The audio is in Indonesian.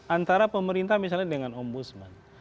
antara pemerintah misalnya dengan ombudsman